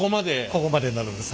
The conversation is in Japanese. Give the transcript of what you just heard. ここまでなるんです。